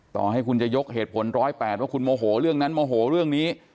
ต่อให้คุณจะยกเหตุผล๑๐๘ว่าคุณโมโหเรื่องนั้นโมโหเรื่องนี้